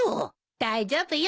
大丈夫よ。